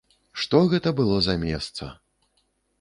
Што гэта было за месца!